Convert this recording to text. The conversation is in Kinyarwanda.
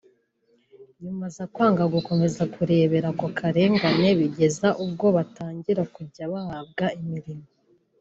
nyuma aza kwanga gukomeza kurebera ako karengane bigeza ubwo batangira kujya bahabwa imirimo